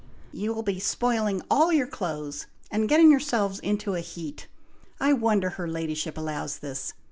"You will be spoiling all your clothes, and getting yourselves into a heat! I wonder her ladyship allows this!